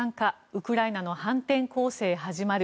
ウクライナの反転攻勢始まる。